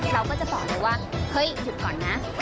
เราก็จะสอนหนูว่าเฮ้ยหยุดก่อนนะ